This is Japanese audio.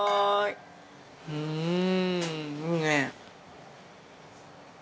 うーんいいね。